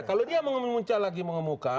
kalau dia memuncah lagi mengemuka